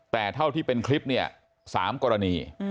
แต่เท่าที่เป็นคลิปเนี่ย๓กรณี